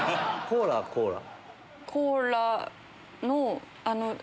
コーラの。